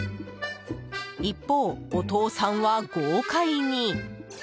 一方、お父さんは、豪快に！